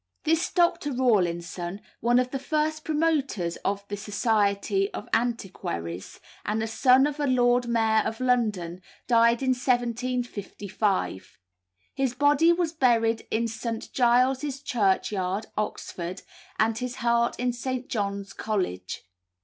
This Dr. Rawlinson, one of the first promoters of the Society of Antiquaries, and son of a lord mayor of London, died in 1755. His body was buried in St. Giles' churchyard, Oxford, and his heart in St. John's College.